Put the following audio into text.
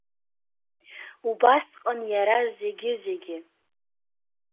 Убасҟан иара зегьы-зегьы…